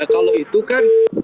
kalau itu kan